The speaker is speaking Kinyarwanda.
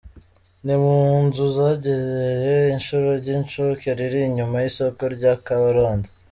Ni mu nzu zegereye ishuri ry’incuke riri inyuma y’isoko rya Kabarondo.